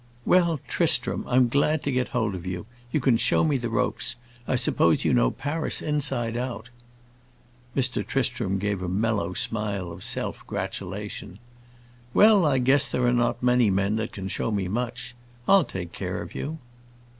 "Well, Tristram, I'm glad to get hold of you. You can show me the ropes. I suppose you know Paris inside out." Mr. Tristram gave a mellow smile of self gratulation. "Well, I guess there are not many men that can show me much. I'll take care of you."